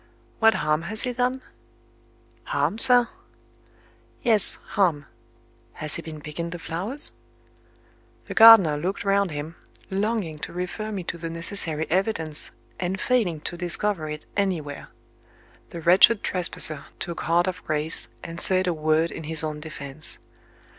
"What harm has he done?" "Harm, sir?" "Yes harm. Has he been picking the flowers?" The gardener looked round him, longing to refer me to the necessary evidence, and failing to discover it anywhere. The wretched trespasser took heart of grace, and said a word in his own defence.